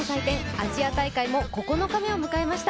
アジア大会も９日目を迎えました。